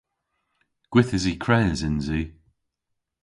Gwithysi kres yns i.